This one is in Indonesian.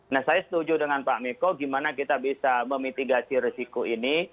nah saya setuju dengan pak miko gimana kita bisa memitigasi risiko ini